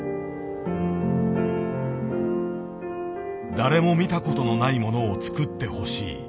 誰も見た事のないものを作ってほしい。